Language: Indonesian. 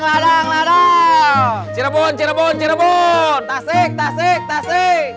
tasik tasik tasik